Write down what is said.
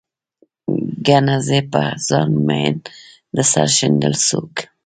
ګڼه، زه په ځان مين د سر ښندل څوک